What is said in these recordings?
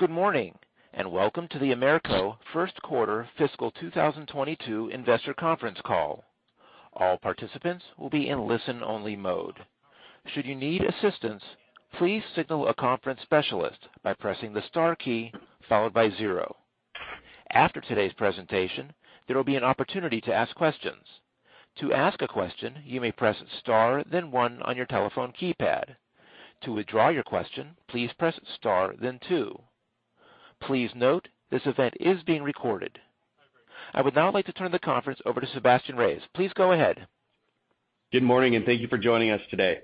Good morning, and welcome to the AMERCO first quarter fiscal 2022 investor conference call. I would now like to turn the conference over to Sebastien Reyes. Please go ahead. Good morning, and thank you for joining us today.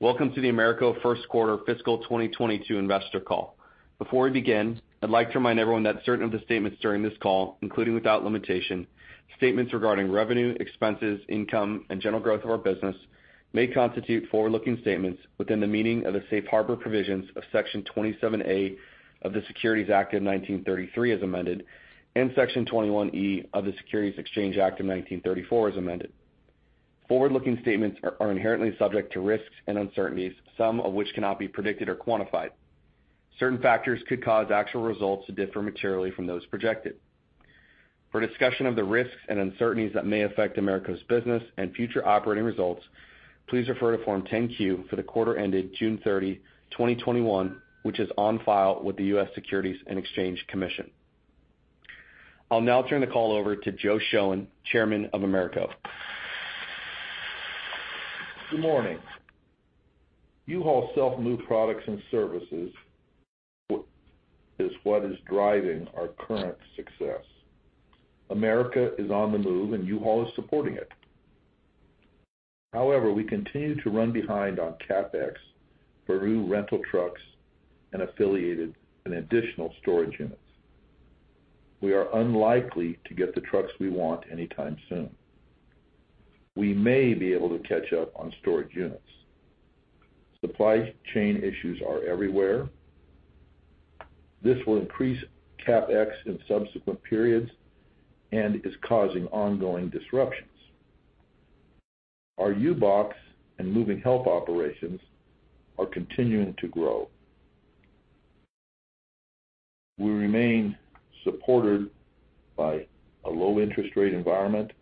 Welcome to the AMERCO first quarter fiscal 2022 investor call. Before we begin, I'd like to remind everyone that certain of the statements during this call, including without limitation, statements regarding revenue, expenses, income, and general growth of our business, may constitute forward-looking statements within the meaning of the safe harbor provisions of Section 27A of the Securities Act of 1933 as amended, and Section 21E of the Securities Exchange Act of 1934 as amended. Forward-looking statements are inherently subject to risks and uncertainties, some of which cannot be predicted or quantified. Certain factors could cause actual results to differ materially from those projected. For a discussion of the risks and uncertainties that may affect AMERCO's business and future operating results, please refer to Form 10-Q for the quarter ended June 30, 2021, which is on file with the U.S. Securities and Exchange Commission. I'll now turn the call over to Joe Shoen, chairman of AMERCO. Good morning. U-Haul self-move products and services is what is driving our current success. America is on the move, and U-Haul is supporting it. However, we continue to run behind on CapEx for new rental trucks and affiliated and additional storage units. We are unlikely to get the trucks we want anytime soon. We may be able to catch up on storage units. Supply chain issues are everywhere. This will increase CapEx in subsequent periods and is causing ongoing disruptions. Our U-Box and Moving Help operations are continuing to grow. We remain supported by a low interest rate environment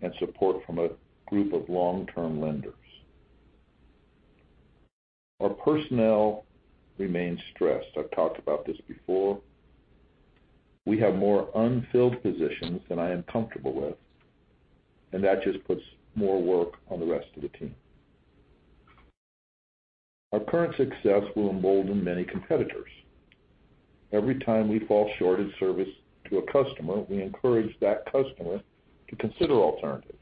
and support from a group of long-term lenders. Our personnel remain stressed. I've talked about this before. We have more unfilled positions than I am comfortable with, and that just puts more work on the rest of the team. Our current success will embolden many competitors. Every time we fall short in service to a customer, we encourage that customer to consider alternatives.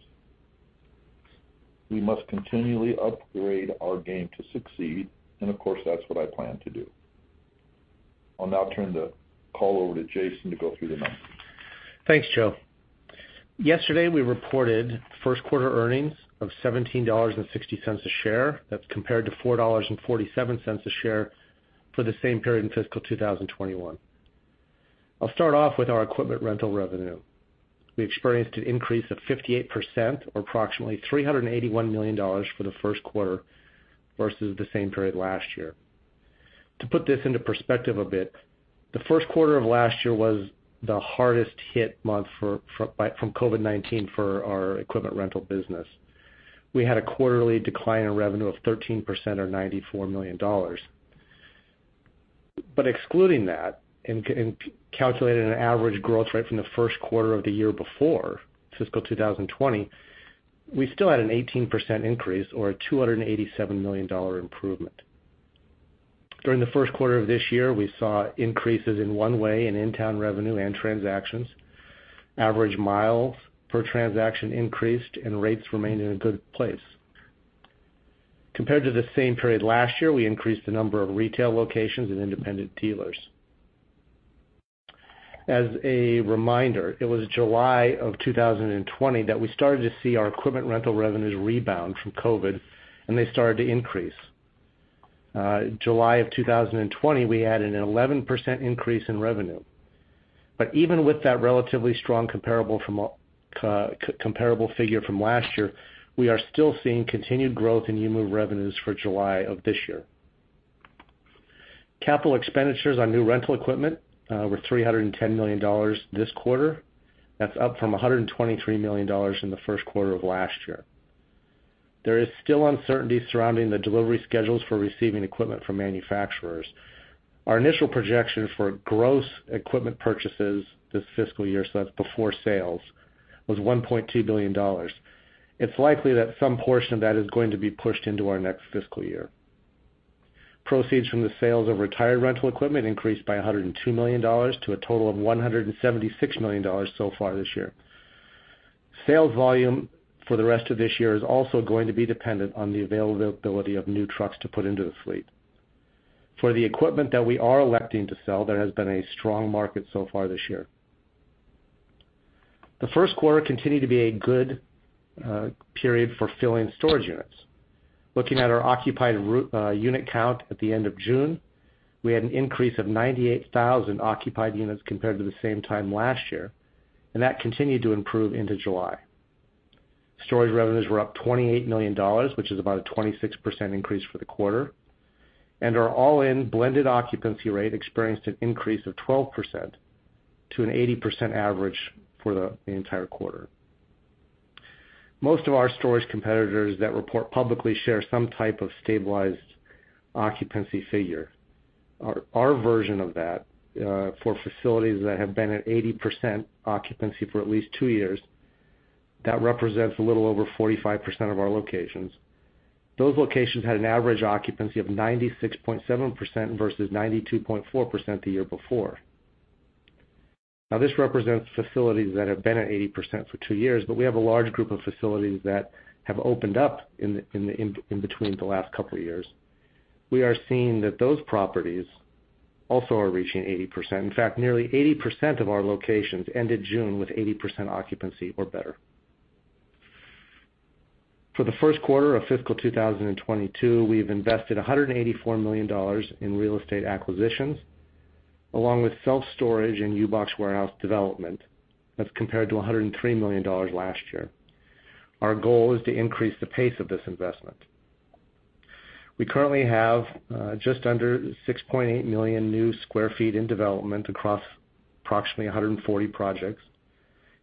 We must continually upgrade our game to succeed, and of course, that's what I plan to do. I'll now turn the call over to Jason to go through the numbers. Thanks, Joe. Yesterday, we reported first quarter earnings of $17.60 a share. That's compared to $4.47 a share for the same period in fiscal 2021. I'll start off with our equipment rental revenue. We experienced an increase of 58%, or approximately $381 million for the first quarter versus the same period last year. To put this into perspective a bit, the first quarter of last year was the hardest hit month from COVID-19 for our equipment rental business. We had a quarterly decline in revenue of 13%, or $94 million. Excluding that and calculating an average growth rate from the first quarter of the year before, fiscal 2020, we still had an 18% increase or a $287 million improvement. During the first quarter of this year, we saw increases in one-way and in-town revenue and transactions. Average miles per transaction increased, and rates remained in a good place. Compared to the same period last year, we increased the number of retail locations and independent dealers. As a reminder, it was July of 2020 that we started to see our equipment rental revenues rebound from COVID, and they started to increase. July of 2020, we had an 11% increase in revenue. Even with that relatively strong comparable figure from last year, we are still seeing continued growth in U-Move revenues for July of this year. Capital expenditures on new rental equipment were $310 million this quarter. That's up from $123 million in the first quarter of last year. There is still uncertainty surrounding the delivery schedules for receiving equipment from manufacturers. Our initial projection for gross equipment purchases this fiscal year, so that's before sales, was $1.2 billion. It's likely that some portion of that is going to be pushed into our next fiscal year. Proceeds from the sales of retired rental equipment increased by $102 million to a total of $176 million so far this year. Sales volume for the rest of this year is also going to be dependent on the availability of new trucks to put into the fleet. For the equipment that we are electing to sell, there has been a strong market so far this year. The first quarter continued to be a good period for filling storage units. Looking at our occupied unit count at the end of June, we had an increase of 98,000 occupied units compared to the same time last year, and that continued to improve into July. Storage revenues were up $28 million, which is about a 26% increase for the quarter, and our all-in blended occupancy rate experienced an increase of 12% to an 80% average for the entire quarter. Most of our storage competitors that report publicly share some type of stabilized occupancy figure. Our version of that, for facilities that have been at 80% occupancy for at least two years, that represents a little over 45% of our locations. Those locations had an average occupancy of 96.7% versus 92.4% the year before. This represents facilities that have been at 80% for two years, but we have a large group of facilities that have opened up in between the last couple of years. We are seeing that those properties also are reaching 80%. In fact, nearly 80% of our locations ended June with 80% occupancy or better. For the first quarter of fiscal 2022, we've invested $184 million in real estate acquisitions, along with self-storage and U-Box warehouse development. That's compared to $103 million last year. Our goal is to increase the pace of this investment. We currently have just under 6.8 million new sq ft in development across approximately 140 projects.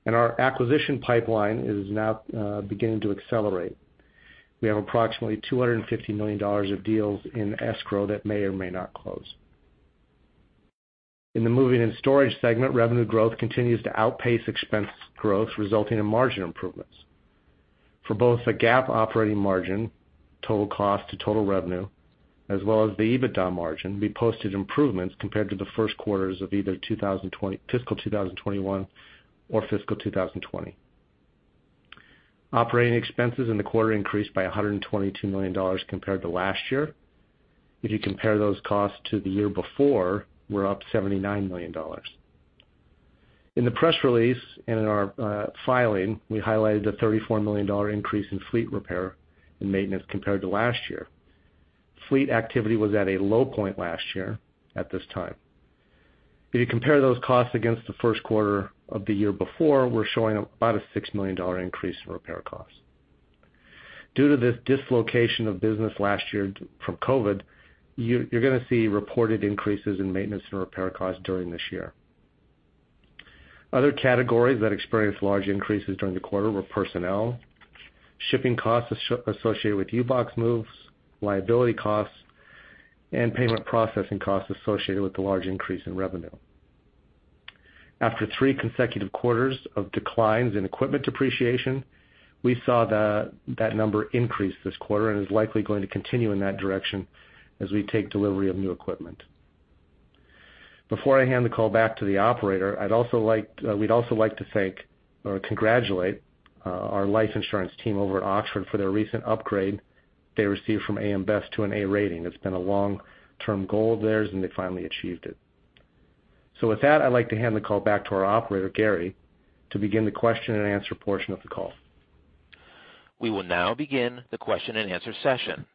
Our acquisition pipeline is now beginning to accelerate. We have approximately $250 million of deals in escrow that may or may not close. In the moving and storage segment, revenue growth continues to outpace expense growth, resulting in margin improvements. For both the GAAP operating margin, total cost to total revenue, as well as the EBITDA margin, we posted improvements compared to the first quarters of either fiscal 2021 or fiscal 2020. Operating expenses in the quarter increased by $122 million compared to last year. If you compare those costs to the year before, we're up $79 million. In the press release and in our filing, we highlighted a $34 million increase in fleet repair and maintenance compared to last year. Fleet activity was at a low point last year at this time. If you compare those costs against the first quarter of the year before, we're showing about a $6 million increase in repair costs. Due to this dislocation of business last year from COVID, you're going to see reported increases in maintenance and repair costs during this year. Other categories that experienced large increases during the quarter were personnel, shipping costs associated with U-Box moves, liability costs, and payment processing costs associated with the large increase in revenue. After three consecutive quarters of declines in equipment depreciation, we saw that number increase this quarter and is likely going to continue in that direction as we take delivery of new equipment. Before I hand the call back to the operator, we'd also like to thank or congratulate our life insurance team over at Oxford for their recent upgrade they received from AM Best to an A rating. It's been a long-term goal of theirs, and they finally achieved it. With that, I'd like to hand the call back to our operator, Gary, to begin the question-and-answer portion of the call. We will now begin the question-and-answer session.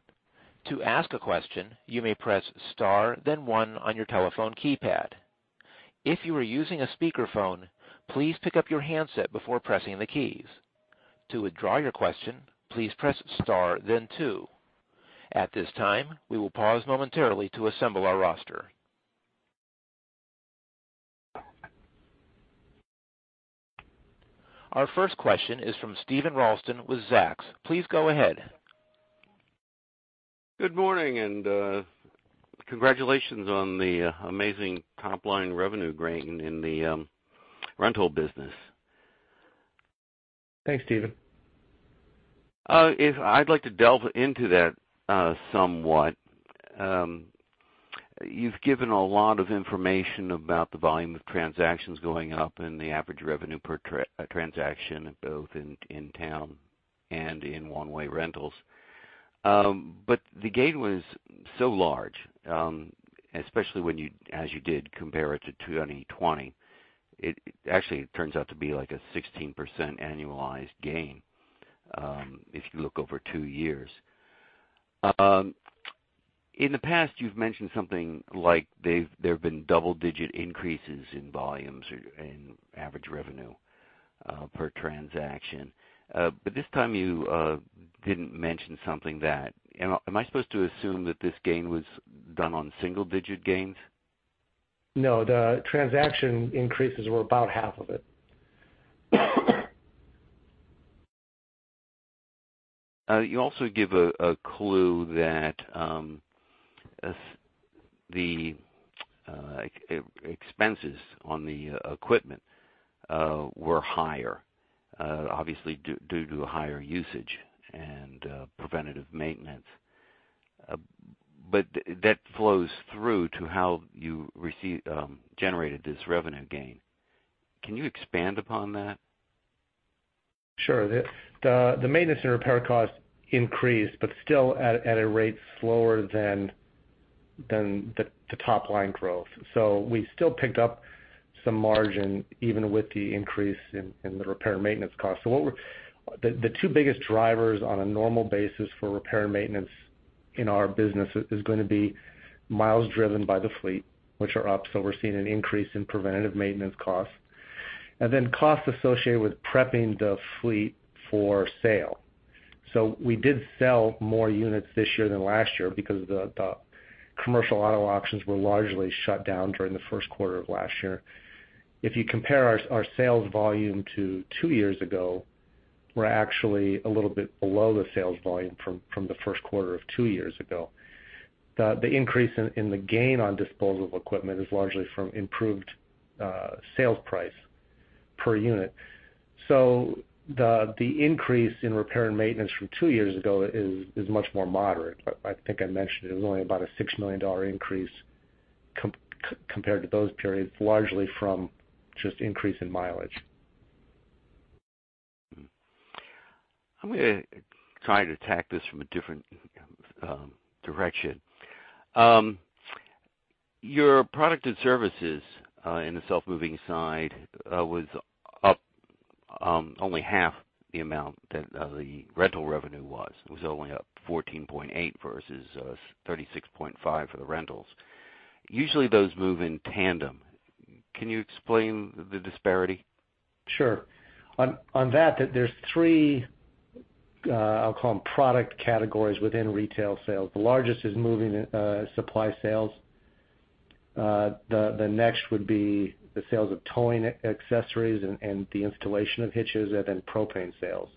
To ask a question, you may press star then one on your telephone keypad. If you are using a speakerphone, please pick up your handset before pressing the keys. To withdraw your question, please press star then two. At this time, we will pause momentarily to assemble our roster. Our first question is from Steven Ralston with Zacks. Please go ahead. Good morning. Congratulations on the amazing top-line revenue gain in the rental business. Thanks, Steven. I'd like to delve into that somewhat. You've given a lot of information about the volume of transactions going up and the average revenue per transaction, both in in-town and in one-way rentals. The gain was so large, especially as you did compare it to 2020. Actually, it turns out to be like a 16% annualized gain if you look over two years. In the past, you've mentioned something like there have been double-digit increases in volumes or in average revenue per transaction. This time you didn't mention something that. Am I supposed to assume that this gain was done on single-digit gains? No, the transaction increases were about half of it. You also give a clue that the expenses on the equipment were higher, obviously due to higher usage and preventative maintenance. That flows through to how you generated this revenue gain. Can you expand upon that? Sure. The maintenance and repair costs increased, still at a rate slower than the top-line growth. We still picked up some margin, even with the increase in the repair and maintenance cost. The two biggest drivers on a normal basis for repair and maintenance in our business is going to be miles driven by the fleet, which are up. We're seeing an increase in preventative maintenance costs associated with prepping the fleet for sale. We did sell more units this year than last year because the commercial auto auctions were largely shut down during the first quarter of last year. If you compare our sales volume to two years ago, we're actually a little bit below the sales volume from the first quarter of two years ago. The increase in the gain on disposal of equipment is largely from improved sales price per unit. The increase in repair and maintenance from two years ago is much more moderate. I think I mentioned it was only about a $6 million increase compared to those periods, largely from just increase in mileage. I'm going to try to attack this from a different direction. Your product and services in the self-moving side was up only half the amount that the rental revenue was. It was only up 14.8% versus 36.5% for the rentals. Usually those move in tandem. Can you explain the disparity? Sure. On that, there's three, I'll call them product categories within retail sales. The largest is moving supply sales. The next would be the sales of towing accessories and the installation of hitches, and then propane sales.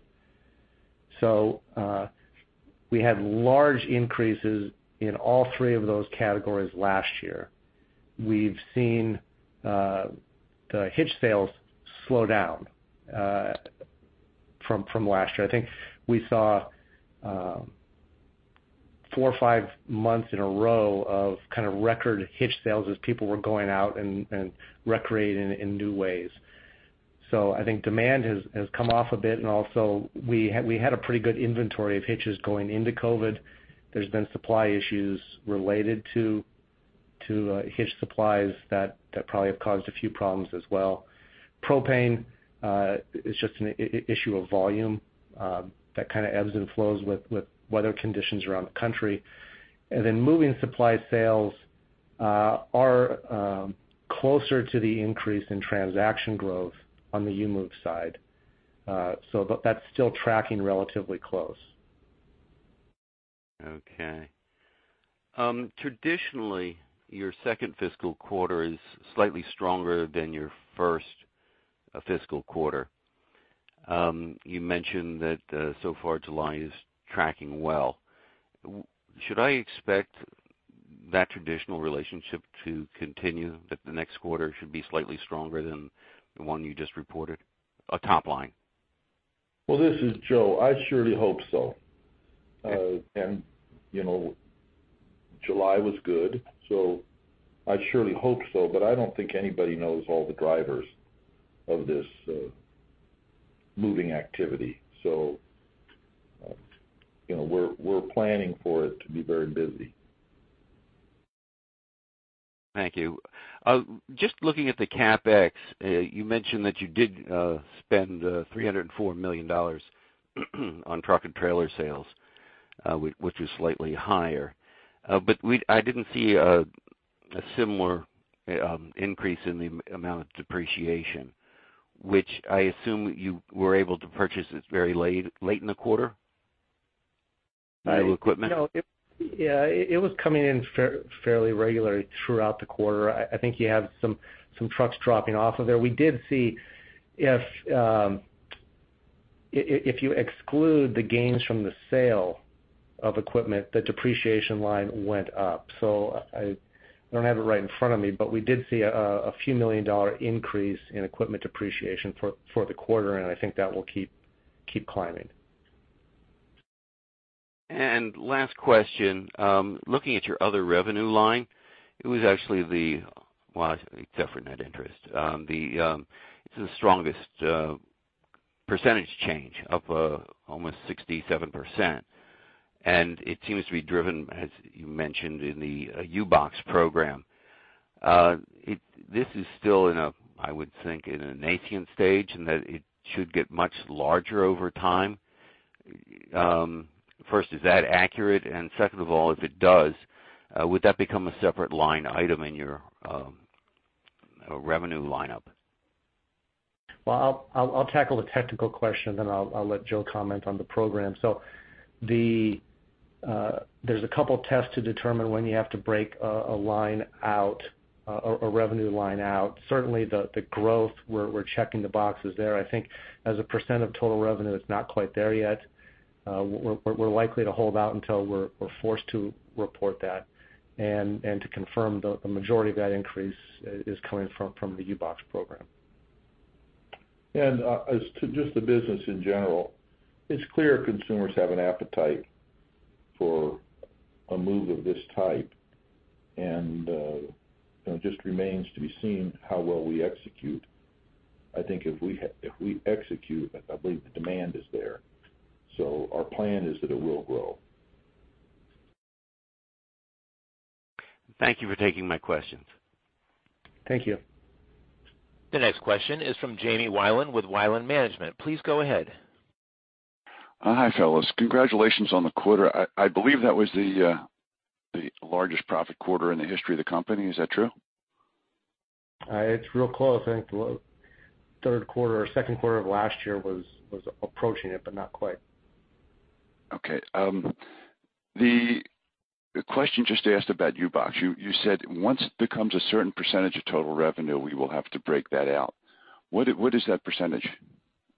We had large increases in all three of those categories last year. We've seen the hitch sales slow down from last year. I think we saw four or five months in a row of kind of record hitch sales as people were going out and recreating in new ways. I think demand has come off a bit, and also we had a pretty good inventory of hitches going into COVID. There's been supply issues related to hitch supplies that probably have caused a few problems as well. Propane is just an issue of volume that kind of ebbs and flows with weather conditions around the country. Moving supply sales are closer to the increase in transaction growth on the U-Move side. That's still tracking relatively close. Okay. Traditionally, your second fiscal quarter is slightly stronger than your first fiscal quarter. You mentioned that so far July is tracking well. Should I expect that traditional relationship to continue, that the next quarter should be slightly stronger than the one you just reported? A top line. Well, this is Joe. I surely hope so. July was good, so I surely hope so. I don't think anybody knows all the drivers of this moving activity, so we're planning for it to be very busy. Thank you. Just looking at the CapEx, you mentioned that you did spend $304 million on truck and trailer sales, which was slightly higher. I didn't see a similar increase in the amount of depreciation, which I assume you were able to purchase this very late in the quarter? New equipment. No. Yeah, it was coming in fairly regularly throughout the quarter. I think you have some trucks dropping off of there. We did see if you exclude the gains from the sale of equipment, the depreciation line went up. I don't have it right in front of me, but we did see a few million dollar increase in equipment depreciation for the quarter, and I think that will keep climbing. Last question, looking at your other revenue line, it was actually Well, except for net interest. It's the strongest percentage change, up almost 67%. It seems to be driven, as you mentioned, in the U-Box program. This is still in a, I would think, in a nascent stage, and that it should get much larger over time. First, is that accurate? Second of all, if it does, would that become a separate line item in your revenue lineup? I'll tackle the technical question, then I'll let Joe comment on the program. There's a couple of tests to determine when you have to break a revenue line out. Certainly, the growth, we're checking the boxes there. I think as a percent of total revenue, it's not quite there yet. We're likely to hold out until we're forced to report that. To confirm, the majority of that increase is coming from the U-Box program. As to just the business in general, it's clear consumers have an appetite for a move of this type, and it just remains to be seen how well we execute. I think if we execute, I believe the demand is there. Our plan is that it will grow. Thank you for taking my questions. Thank you. The next question is from Jamie Wilen with Wilen Management. Please go ahead. Hi fellas. Congratulations on the quarter. I believe that was the largest profit quarter in the history of the company. Is that true? It's real close. I think the third quarter or second quarter of last year was approaching it, but not quite. Okay. The question just asked about U-Box, you said once it becomes a certain percentage of total revenue, we will have to break that out. What is that percentage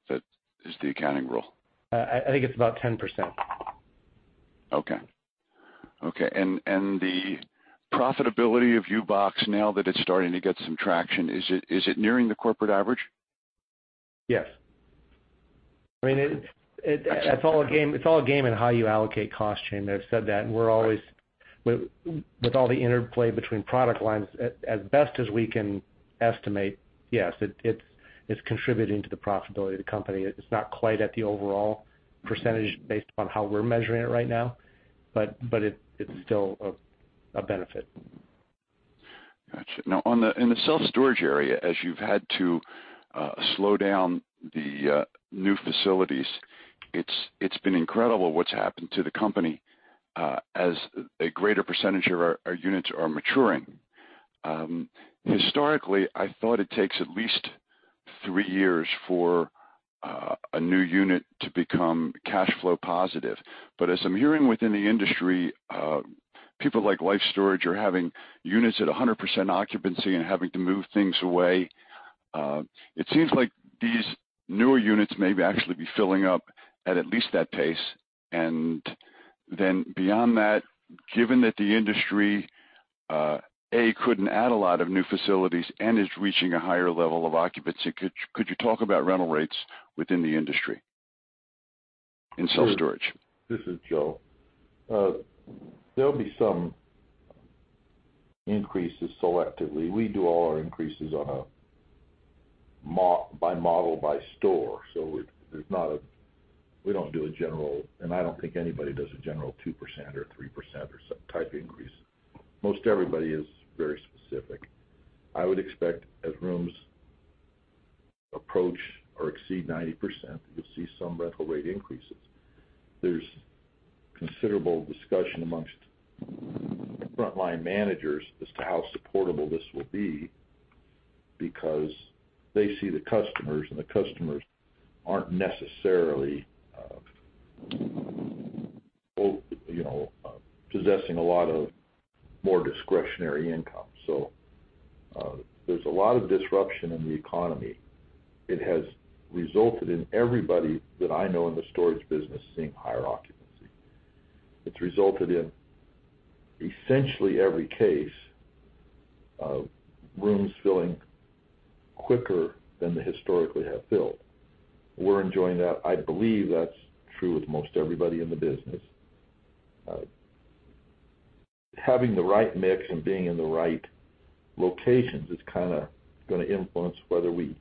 that is the accounting rule? I think it's about 10%. Okay. The profitability of U-Box, now that it's starting to get some traction, is it nearing the corporate average? Yes. It's all a game in how you allocate cost, Jamie. I've said that, and with all the interplay between product lines, as best as we can estimate, yes, it's contributing to the profitability of the company. It's not quite at the overall percentage based upon how we're measuring it right now, but it's still a benefit. Got you. In the self-storage area, as you've had to slow down the new facilities, it's been incredible what's happened to the company as a greater percentage of our units are maturing. Historically, I thought it takes at least three years for a new unit to become cash flow positive. As I'm hearing within the industry, people like Life Storage are having units at 100% occupancy and having to move things away. It seems like these newer units may actually be filling up at least that pace. Beyond that, given that the industry, A, couldn't add a lot of new facilities and is reaching a higher level of occupancy, could you talk about rental rates within the industry in self-storage? This is Joe. There'll be some increases selectively. We do all our increases by model, by store. We don't do a general, and I don't think anybody does a general 2% or 3% or some type increase. Most everybody is very specific. I would expect as rooms approach or exceed 90%, you'll see some rental rate increases. There's considerable discussion amongst frontline managers as to how supportable this will be because they see the customers and the customers aren't necessarily possessing a lot of more discretionary income. There's a lot of disruption in the economy. It has resulted in everybody that I know in the storage business seeing higher occupancy. It's resulted in essentially every case of rooms filling quicker than they historically have filled. We're enjoying that. I believe that's true with most everybody in the business. Having the right mix and being in the right locations is kind of going to influence whether we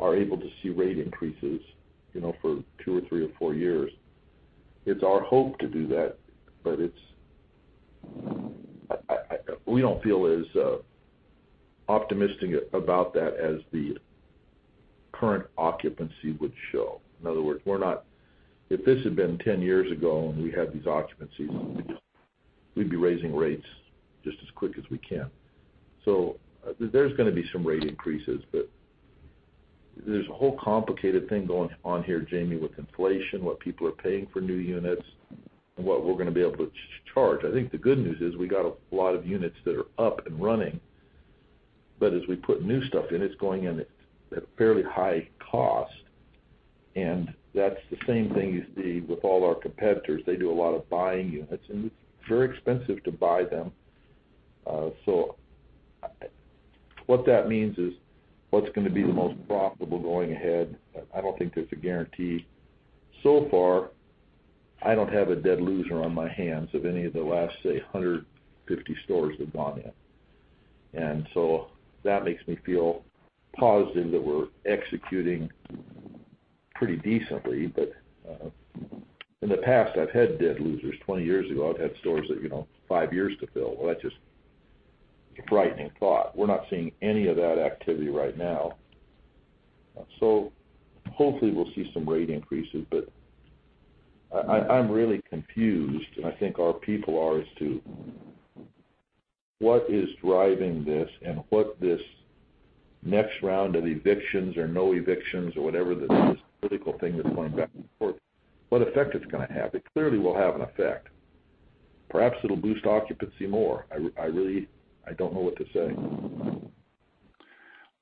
are able to see rate increases for two or three or four years. It's our hope to do that, but we don't feel as optimistic about that as the current occupancy would show. In other words, if this had been 10 years ago and we had these occupancies, we'd be raising rates just as quick as we can. There's going to be some rate increases, but there's a whole complicated thing going on here, Jamie, with inflation, what people are paying for new units, and what we're going to be able to charge. I think the good news is we got a lot of units that are up and running, but as we put new stuff in, it's going in at fairly high cost, and that's the same thing with all our competitors. They do a lot of buying units, and it's very expensive to buy them. What that means is what's going to be the most profitable going ahead? I don't think there's a guarantee. So far, I don't have a dead loser on my hands of any of the last, say, 150 stores that have gone in. That makes me feel positive that we're executing pretty decently. In the past, I've had dead losers. 20 years ago, I've had stores that took five years to fill. Well, that's just a frightening thought. We're not seeing any of that activity right now. Hopefully we'll see some rate increases, but I'm really confused, and I think our people are, as to what is driving this and what this next round of evictions or no evictions or whatever the political thing that's going back and forth, what effect it's going to have. It clearly will have an effect. Perhaps it'll boost occupancy more. I really don't know what to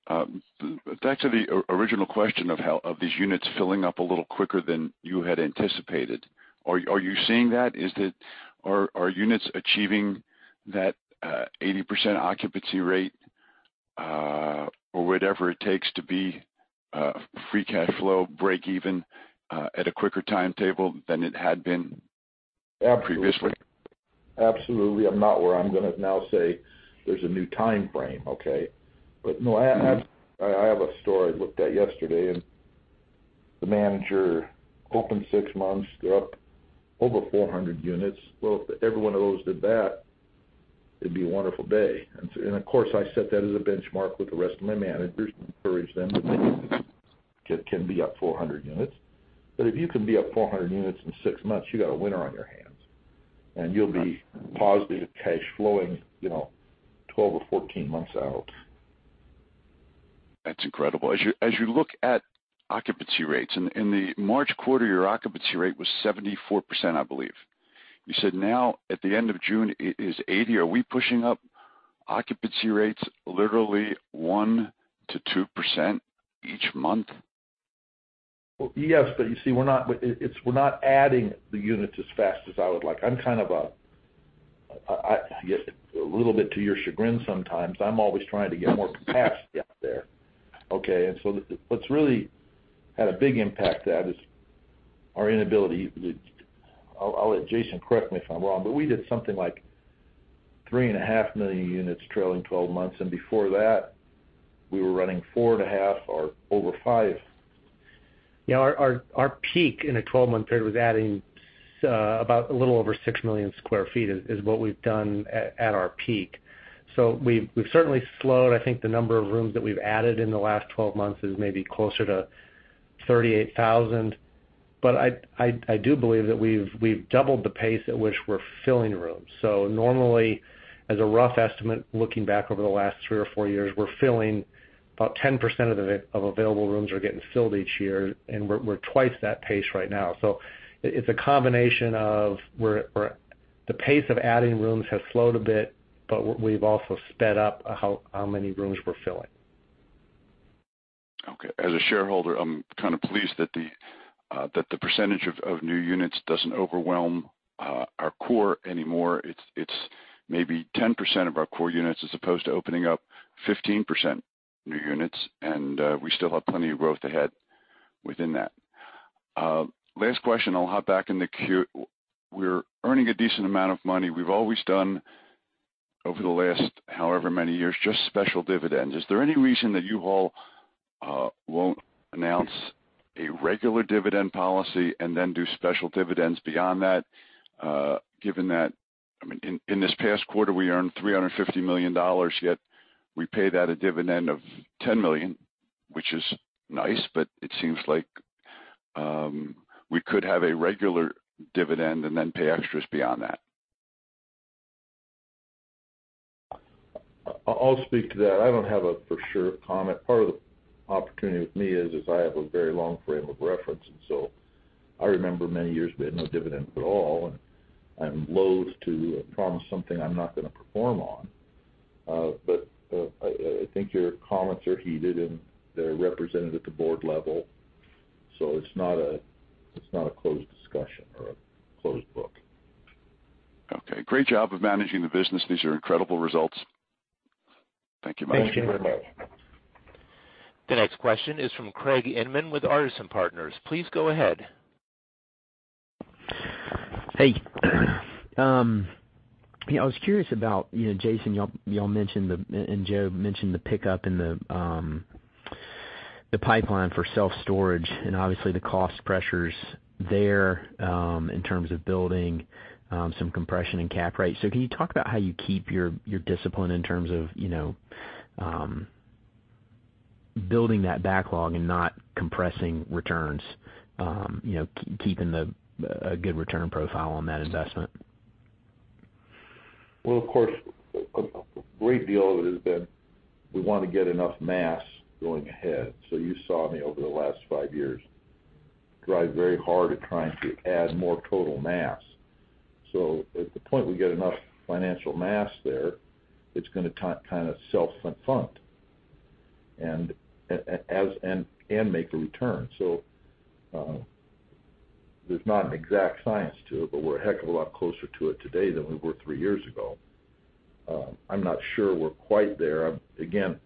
say. Back to the original question of these units filling up a little quicker than you had anticipated. Are you seeing that? Are units achieving that 80% occupancy rate, or whatever it takes to be free cash flow, break even, at a quicker timetable than it had been previously? Absolutely. I'm not where I'm going to now say there's a new time frame, okay? No, I have a store I looked at yesterday and the manager opened six months, they're up over 400 units. Well, if every one of those did that, it'd be a wonderful day. Of course, I set that as a benchmark with the rest of my managers to encourage them that they can be up 400 units. If you can be up 400 units in six months, you got a winner on your hands, and you'll be positively cash flowing 12 or 14 months out. That's incredible. As you look at occupancy rates, in the March quarter, your occupancy rate was 74%, I believe. You said now, at the end of June, it is 80%. Are we pushing up occupancy rates literally 1%-2% each month? Yes. You see, we're not adding the units as fast as I would like. A little bit to your chagrin sometimes, I'm always trying to get more capacity out there. Okay. What's really had a big impact to that is our inability I'll let Jason correct me if I'm wrong, but we did something like three and a half million units trailing 12 months, and before that, we were running four and a half or over five. Our peak in a 12-month period was adding about a little over 6 million sq ft, is what we've done at our peak. We've certainly slowed, I think, the number of rooms that we've added in the last 12 months is maybe closer to 38,000. I do believe that we've doubled the pace at which we're filling rooms. Normally, as a rough estimate, looking back over the last three or four years, we're filling about 10% of available rooms are getting filled each year, and we're twice that pace right now. It's a combination of where the pace of adding rooms has slowed a bit, but we've also sped up how many rooms we're filling. Okay. As a shareholder, I'm kind of pleased that the percentage of new units doesn't overwhelm our core anymore. It's maybe 10% of our core units as opposed to opening up 15% new units. We still have plenty of growth ahead within that. Last question, I'll hop back in the queue. We're earning a decent amount of money. We've always done over the last however many years, just special dividends. Is there any reason that U-Haul won't announce a regular dividend policy and then do special dividends beyond that? Given that, in this past quarter, we earned $350 million, yet we paid out a dividend of $10 million, which is nice, but it seems like we could have a regular dividend and then pay extras beyond that. I'll speak to that. I don't have a for sure comment. Part of the opportunity with me is I have a very long frame of reference. I remember many years we had no dividends at all, and I'm loathe to promise something I'm not going to perform on. I think your comments are heeded, and they're represented at the board level, so it's not a closed discussion or a closed book. Okay. Great job of managing the business. These are incredible results. Thank you much. Thank you very much. The next question is from Craig Inman with Artisan Partners. Please go ahead. Hey. I was curious about, Jason, you all mentioned, and Joe mentioned the pickup in the pipeline for self-storage and obviously the cost pressures there, in terms of building some compression in cap rate. Can you talk about how you keep your discipline in terms of building that backlog and not compressing returns, keeping a good return profile on that investment? Of course, a great deal of it has been, we want to get enough mass going ahead. You saw me over the last five years drive very hard at trying to add more total mass. At the point we get enough financial mass there, it's going to kind of self-fund, and make a return. There's not an exact science to it, but we're a heck of a lot closer to it today than we were three years ago. I'm not sure we're quite there. Again,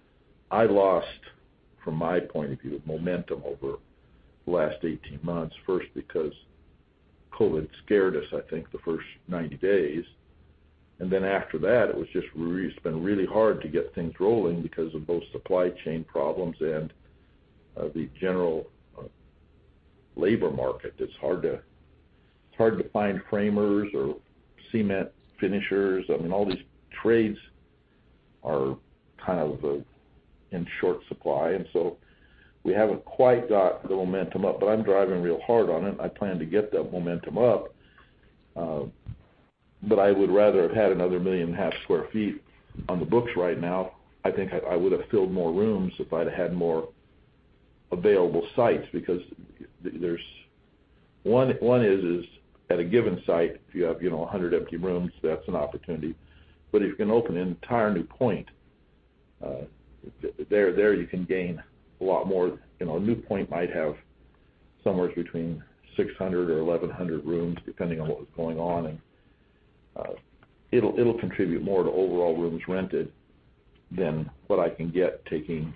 I lost, from my point of view, momentum over the last 18 months. First, because COVID-19 scared us, I think, the first 90 days, after that, it's been really hard to get things rolling because of both supply chain problems and the general labor market. It's hard to find framers or cement finishers. All these trades are kind of in short supply, and so we haven't quite got the momentum up, but I'm driving real hard on it. I plan to get that momentum up. I would rather have had another 1.5 million sq ft on the books right now. I think I would have filled more rooms if I'd have had more available sites because one is at a given site, if you have 100 empty rooms, that's an opportunity. A new point might have somewhere between 600 or 1,100 rooms, depending on what was going on, and it'll contribute more to overall rooms rented than what I can get taking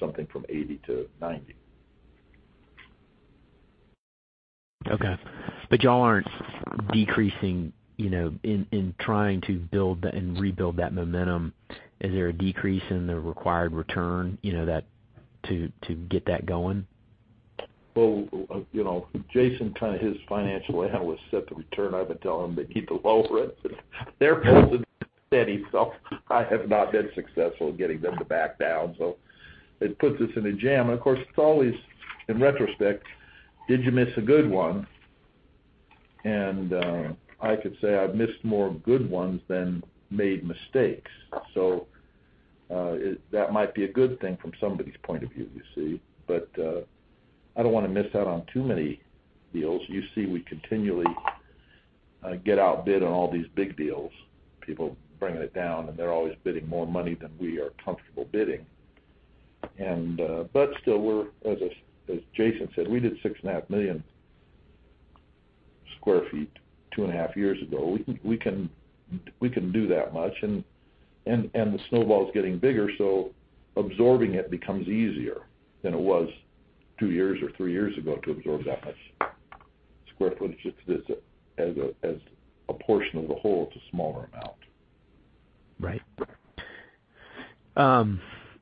something from 80- 90. Okay. You all aren't decreasing in trying to build and rebuild that momentum. Is there a decrease in the required return to get that going? Well, Jason, kind of his financial analyst set the return. I've been telling him to keep it low because their pulse is steady. I have not been successful in getting them to back down. It puts us in a jam. Of course, it's always in retrospect, did you miss a good one? I could say I've missed more good ones than made mistakes. That might be a good thing from somebody's point of view, you see. I don't want to miss out on too many deals. You see we continually get outbid on all these big deals. People bringing it down. They're always bidding more money than we are comfortable bidding. Still, as Jason said, we did 6.5 million sq ft 2.5 years ago. We can do that much, and the snowball is getting bigger, so absorbing it becomes easier than it was two years or three years ago to absorb that much square footage. As a portion of the whole, it's a smaller amount. Right.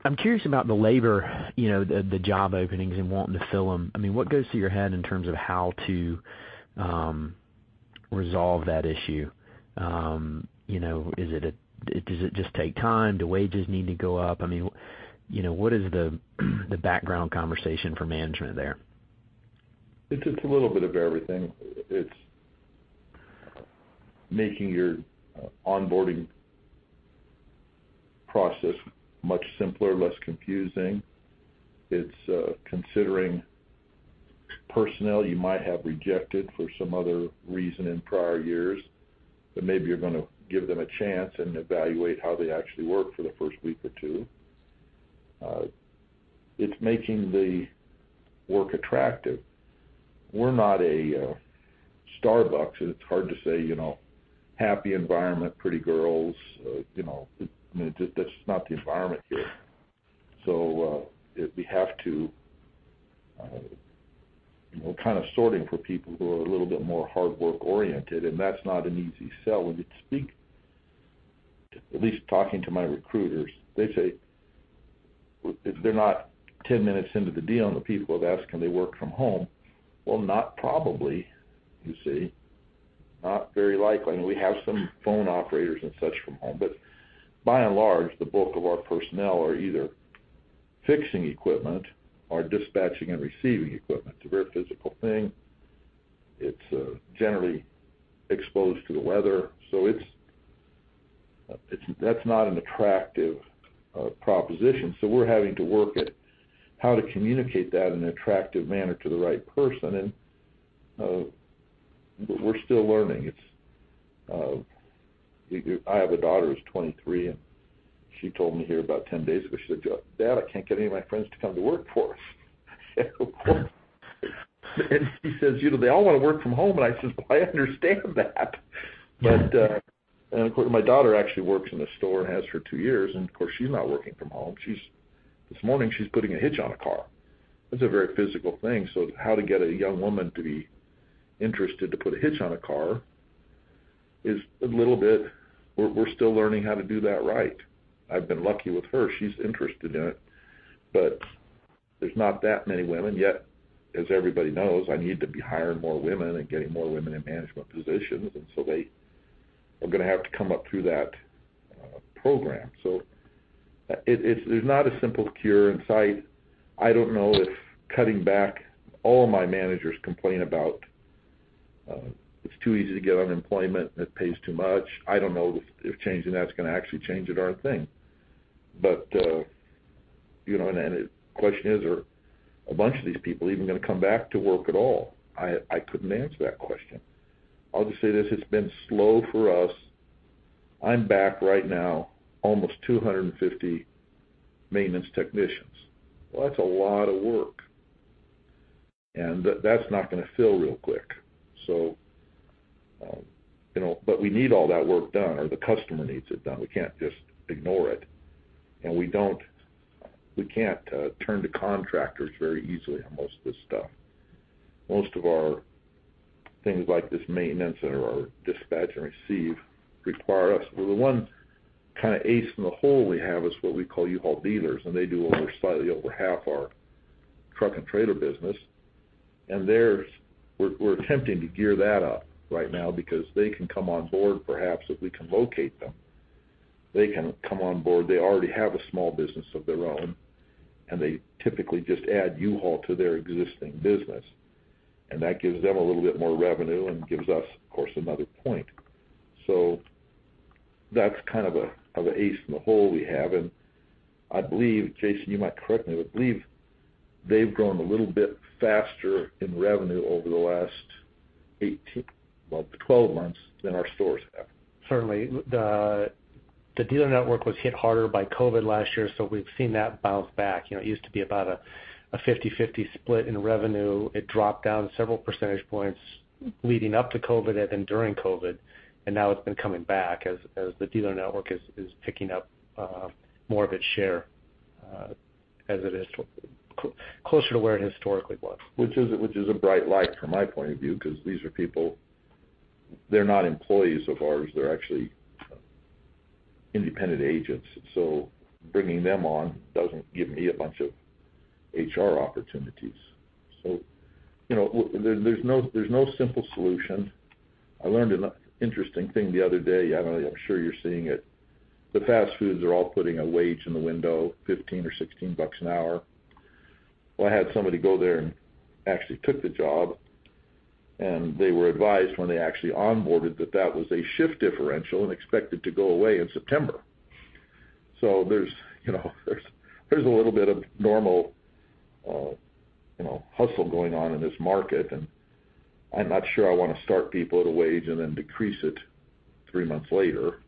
I'm curious about the labor, the job openings and wanting to fill them. What goes through your head in terms of how to resolve that issue? Does it just take time? Do wages need to go up? What is the background conversation for management there? It's a little bit of everything. It's making your onboarding process much simpler, less confusing. It's considering personnel you might have rejected for some other reason in prior years, but maybe you're going to give them a chance and evaluate how they actually work for the first week or two. It's making the work attractive. We're not a Starbucks, and it's hard to say, happy environment, pretty girls. That's just not the environment here. We're kind of sorting for people who are a little bit more hard work-oriented, and that's not an easy sell. At least talking to my recruiters, they say, if they're not 10 minutes into the deal and the people have asked can they work from home, well, not probably, you see. Not very likely. We have some phone operators and such from home, but by and large, the bulk of our personnel are either fixing equipment or dispatching and receiving equipment. It's a very physical thing. It's generally exposed to the weather. That's not an attractive proposition. We're having to work at how to communicate that in an attractive manner to the right person, and we're still learning. I have a daughter who's 23, and she told me here about 10 days ago, she said, "Dad, I can't get any of my friends to come to work for us." She says, "They all want to work from home." I says, "Well, I understand that." Of course, my daughter actually works in the store and has for two years, and of course, she's not working from home. This morning, she's putting a hitch on a car. That's a very physical thing. How to get a young woman to be interested to put a hitch on a car, we're still learning how to do that right. I've been lucky with her. She's interested in it. There's not that many women yet, as everybody knows. I need to be hiring more women and getting more women in management positions. They are going to have to come up through that program. There's not a simple cure in sight. All my managers complain about, it's too easy to get unemployment, and it pays too much. I don't know if changing that is going to actually change a darn thing. The question is, are a bunch of these people even going to come back to work at all? I couldn't answer that question. I'll just say this: it's been slow for us. I'm back right now almost 250 maintenance technicians. Well, that's a lot of work, and that's not going to fill real quick. We need all that work done, or the customer needs it done. We can't just ignore it. We can't turn to contractors very easily on most of this stuff. Most of our things like this maintenance or our dispatch and receive require us. The one kind of ace in the hole we have is what we call U-Haul dealers, and they do over, slightly over half our truck and trailer business. We're attempting to gear that up right now because they can come on board, perhaps, if we can locate them. They can come on board. They already have a small business of their own, and they typically just add U-Haul to their existing business. That gives them a little bit more revenue and gives us, of course, another point. That's kind of the ace in the hole we have, and I believe, Jason, you might correct me, I believe they've grown a little bit faster in revenue over the last 18, well, 12 months than our stores have. Certainly. The dealer network was hit harder by COVID last year, so we've seen that bounce back. It used to be about a 50/50 split in revenue. It dropped down several percentage points leading up to COVID and then during COVID, and now it's been coming back as the dealer network is picking up more of its share. As it is closer to where it historically was. Which is a bright light from my point of view, because these are people, they're not employees of ours, they're actually independent agents. Bringing them on doesn't give me a bunch of HR opportunities. There's no simple solution. I learned an interesting thing the other day, I'm sure you're seeing it. The fast foods are all putting a wage in the window, $15 or $16 an hour. Well, I had somebody go there and actually took the job, and they were advised when they actually onboarded that that was a shift differential and expected to go away in September. There's a little bit of normal hustle going on in this market, and I'm not sure I want to start people at a wage and then decrease it three months later.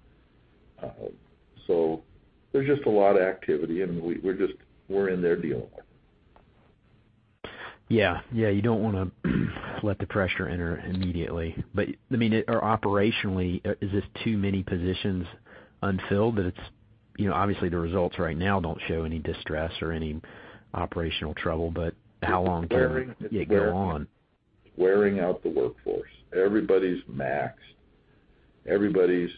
There's just a lot of activity, and we're in there dealing with it. Yeah. Operationally, is this too many positions unfilled? Obviously, the results right now don't show any distress or any operational trouble, but how long can it go on? It's wearing out the workforce. Everybody's maxed. Everybody's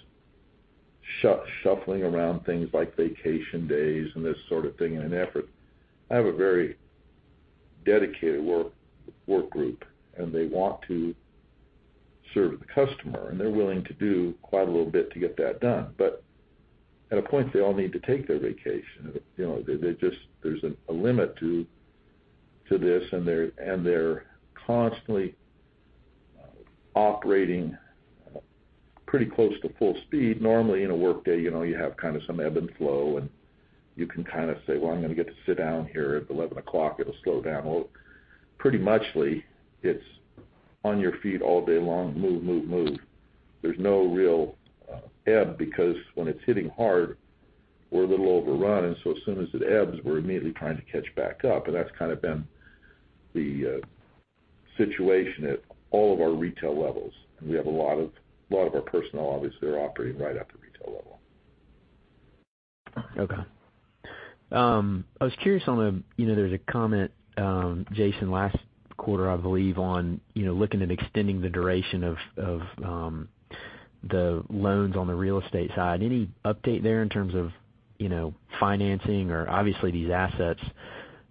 shuffling around things like vacation days and this sort of thing in an effort. I have a very dedicated work group, and they want to serve the customer, and they're willing to do quite a little bit to get that done. At a point, they all need to take their vacation. There's a limit to this, and they're constantly operating pretty close to full speed. Normally, in a workday, you have kind of some ebb and flow, and you can kind of say, "Well, I'm going to get to sit down here at 11 o'clock. It'll slow down." Well, pretty much it's on your feet all day long. Move. There's no real ebb, because when it's hitting hard, we're a little overrun. As soon as it ebbs, we're immediately trying to catch back up. That's kind of been the situation at all of our retail levels, and we have a lot of our personnel, obviously, are operating right at the retail level. Okay. I was curious, there's a comment, Jason, last quarter, I believe, on looking at extending the duration of the loans on the real estate side. Any update there in terms of financing or, obviously, these assets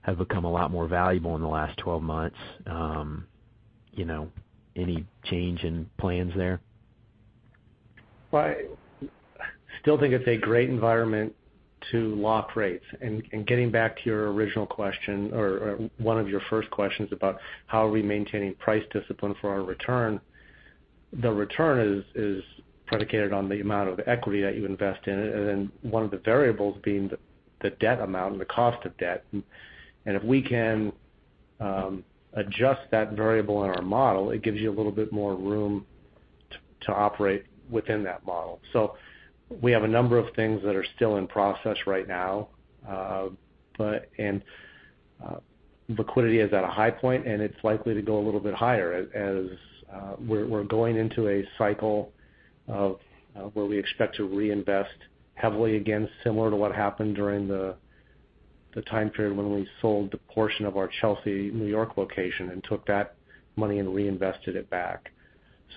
have become a lot more valuable in the last 12 months. Any change in plans there? Well, I still think it's a great environment to lock rates. Getting back to your original question, or one of your first questions about how are we maintaining price discipline for our return, the return is predicated on the amount of equity that you invest in it, and then one of the variables being the debt amount and the cost of debt. If we can adjust that variable in our model, it gives you a little bit more room to operate within that model. We have a number of things that are still in process right now. Liquidity is at a high point, and it's likely to go a little bit higher as we're going into a cycle of where we expect to reinvest heavily again, similar to what happened during the time period when we sold the portion of our Chelsea, New York location and took that money and reinvested it back.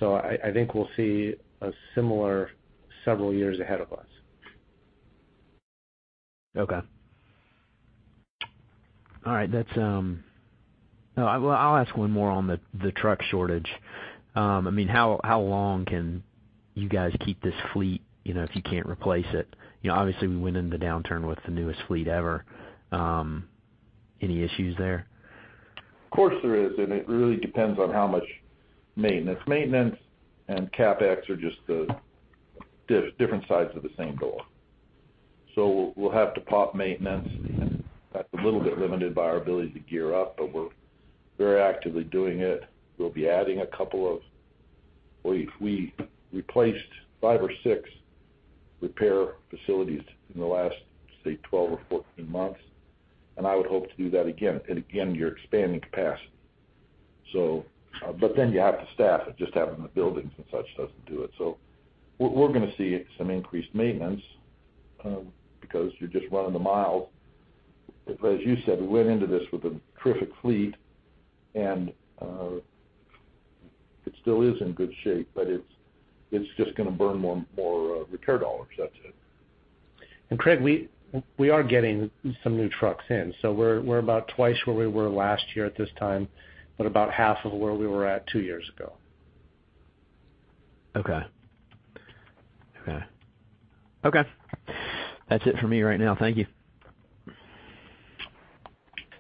I think we'll see a similar several years ahead of us. Okay. All right. I'll ask one more on the truck shortage. How long can you guys keep this fleet if you can't replace it? Obviously, we went into the downturn with the newest fleet ever. Any issues there? Of course, there is, and it really depends on how much maintenance. Maintenance and CapEx are just the different sides of the same coin. We'll have to pop maintenance. That's a little bit limited by our ability to gear up, but we're very actively doing it. We replaced five or six repair facilities in the last, say, 12 or 14 months, and I would hope to do that again. Again, you're expanding capacity. You have to staff it. Just having the buildings and such doesn't do it. We're going to see some increased maintenance, because you're just running the miles. As you said, we went into this with a terrific fleet, and it still is in good shape, but it's just going to burn more repair dollars, that's it. Craig, we are getting some new trucks in, so we're about twice where we were last year at this time, but about half of where we were at two years ago. Okay. That's it for me right now. Thank you.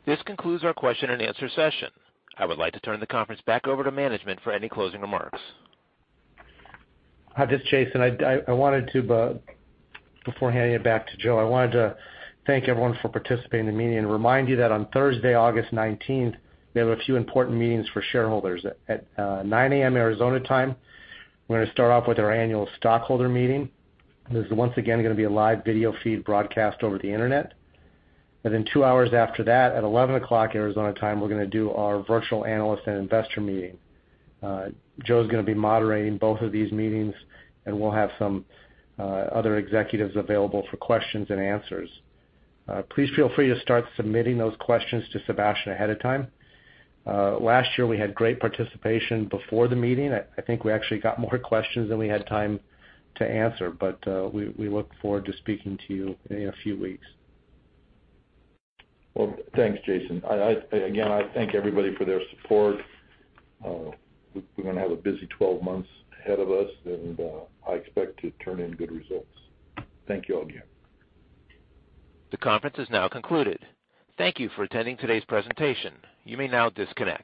This concludes our question-and-answer session. I would like to turn the conference back over to management for any closing remarks. Hi, this is Jason. Before handing it back to Joe, I wanted to thank everyone for participating in the meeting and remind you that on Thursday, August 19th, we have a few important meetings for shareholders. At 9:00 A.M. Arizona time, we're going to start off with our annual stockholder meeting. This is once again going to be a live video feed broadcast over the Internet. Two hours after that, at 11:00 Arizona time, we're going to do our virtual analyst and investor meeting. Joe's going to be moderating both of these meetings, and we'll have some other executives available for questions and answers. Please feel free to start submitting those questions to Sebastien ahead of time. Last year, we had great participation before the meeting. I think we actually got more questions than we had time to answer, but we look forward to speaking to you in a few weeks. Well, thanks, Jason. Again, I thank everybody for their support. We're going to have a busy 12 months ahead of us, and I expect to turn in good results. Thank you all again. The conference is now concluded. Thank you for attending today's presentation. You may now disconnect.